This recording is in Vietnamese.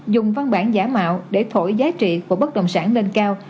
dùng văn bản giả mạo để thổi giá trị của bất động sản lên cao